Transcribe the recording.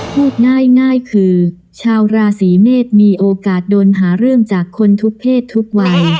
พูดง่ายคือชาวราศีเมษมีโอกาสโดนหาเรื่องจากคนทุกเพศทุกวัย